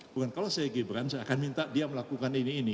bukan kalau saya gibran saya akan minta dia melakukan ini ini